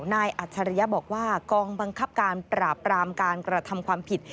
อัจฉริยะบอกว่ากองบังคับการปราบรามการกระทำความผิด